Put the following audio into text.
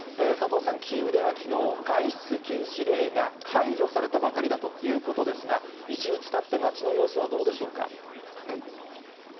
佐藤さん、キーウではきのう、外出禁止令が解除されたばかりだということですが、１日たって街の様子はどうでしょうか。